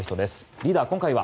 リーダー、今回は。